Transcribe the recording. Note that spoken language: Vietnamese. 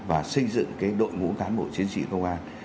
và xây dựng cái đội ngũ cán bộ chiến sĩ công an